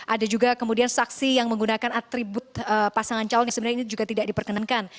ada juga kemudian saksi yang menggunakan atribut pasangan calon yang sebenarnya ini juga tidak diperkenankan